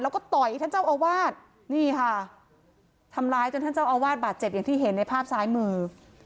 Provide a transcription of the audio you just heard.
แล้วก็ต่อยท่านเจ้าอาวาสนี่ค่ะทำร้ายจนท่านเจ้าอาวาสบาดเจ็บอย่างที่เห็นในภาพซ้ายมือ